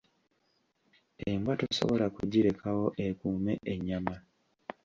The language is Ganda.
Embwa tosobola kugirekawo ekuume ennyama.